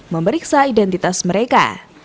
memeriksa identitas mereka